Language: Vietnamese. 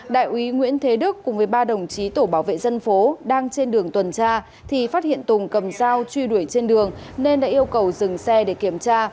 đại úy nguyễn thế đức cùng với ba đồng chí tổ bảo vệ dân phố đang trên đường tuần tra thì phát hiện tùng cầm dao truy đuổi trên đường nên đã yêu cầu dừng xe để kiểm tra